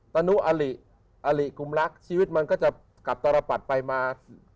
ตนุอลิอลิกุมรักชีวิตมันก็จะกัดตรปัดไปมา